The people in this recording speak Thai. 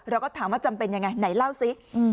เราก็ถามว่าจำเป็นยังไงไหนเล่าสิ